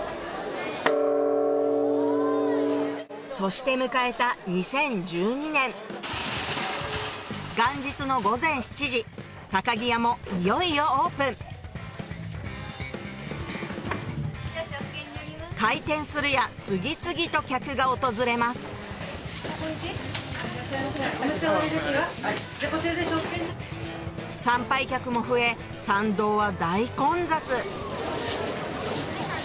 そして迎えた２０１２年元日の午前７時木屋もいよいよオープン開店するや次々と客が訪れます参拝客も増え参道は大混雑